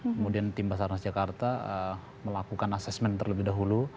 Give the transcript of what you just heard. kemudian tim basarnas jakarta melakukan asesmen terlebih dahulu